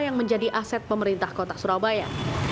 yang menjadi aset pemerintah kota surabaya